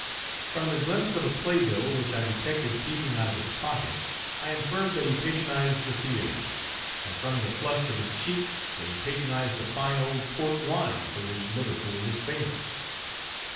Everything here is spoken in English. From the glimpse of a play bill, which I detected peeping out of his pocket, I inferred that he patronized the theaters; and from the flush of his cheeks, that he patronized the fine old Port wine, for which Liverpool is famous.